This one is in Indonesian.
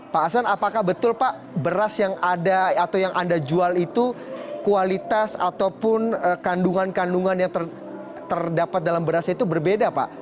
pak hasan apakah betul pak beras yang ada atau yang anda jual itu kualitas ataupun kandungan kandungan yang terdapat dalam beras itu berbeda pak